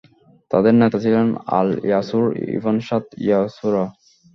তাদের নেতা ছিলেন আল ইয়াসূর ইবন শাদ ইয়াসূরা।